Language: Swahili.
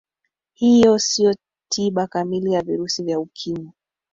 hiyo siyo tiba kamili ya virusi ya ukimwi